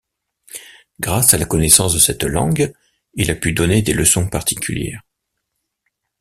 Grâce à la connaissance de cette langue, il a pu donner des leçons particulières.